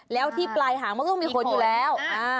แล้วที่ปลายหางมันก็ต้องมีคนอยู่แล้ว